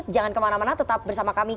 jangan kemana mana tetap bersama kami